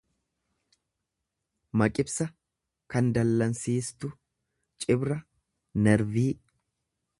Maqibsa kan dallansiistu. Cibra nervii.